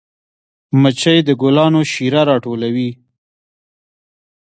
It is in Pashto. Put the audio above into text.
مچۍ د ګلانو شیره راټولوي